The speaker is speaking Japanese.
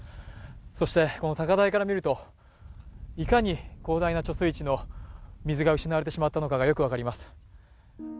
そしてこの高台から見ると、いかに広大な貯水池の水が失われてしまったのかがよく分かります。